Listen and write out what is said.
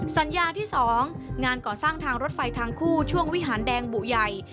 สัญญาที่๒งานก่อสร้างทางรถไฟทางคู่ช่วงวิหารแดงบุใหญ่